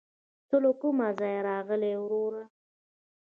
ته له کوم ځايه راغلې ؟ وروره